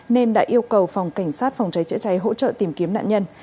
nên đã yêu cầu phòng cảnh sát phòng cháy chữa cháy hỗ trợ tìm kiếm nạn nhân